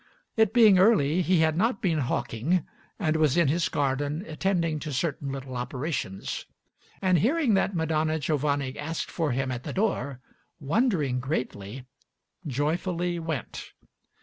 It being early, he had not been hawking, and was in his garden attending to certain little operations; and hearing that Madonna Giovanni asked for him at the door, wondering greatly, joyfully went.